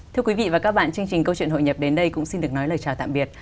thưa quý vị và các bạn chương trình câu chuyện hội nhập đến đây cũng xin được nói lời chào tạm biệt